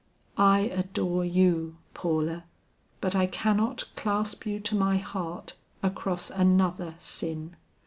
I adore you, Paula, but I cannot clasp you to my heart across another sin.